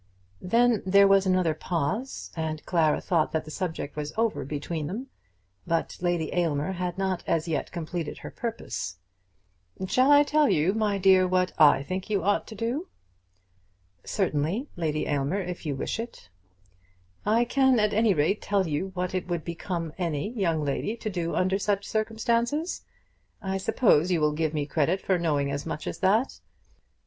Then there was another pause, and Clara thought that that subject was over between them. But Lady Aylmer had not as yet completed her purpose. "Shall I tell you, my dear, what I think you ought to do?" "Certainly, Lady Aylmer; if you wish it." "I can at any rate tell you what it would become any young lady to do under such circumstances. I suppose you will give me credit for knowing as much as that.